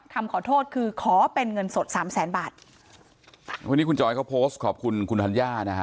คำขอโทษคือขอเป็นเงินสดสามแสนบาทวันนี้คุณจอยเขาโพสต์ขอบคุณคุณธัญญานะฮะ